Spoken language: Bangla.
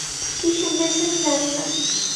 কী শুনেছেন, জানি না।